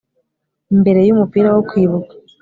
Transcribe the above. imbere yumupira wo kwibuka